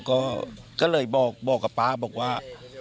ก็เลยบอกกับป๊าบอกว่า